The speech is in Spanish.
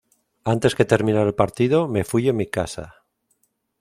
Antes que terminará el partido me fui a mi casa.